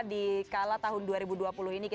di kala tahun dua ribu dua puluh ini